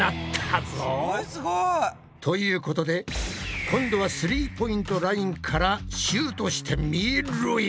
すごいすごい。ということで今度はスリーポイントラインからシュートしてみろや！